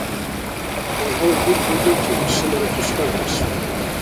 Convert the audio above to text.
They hold weekly meetings similar to Scouts.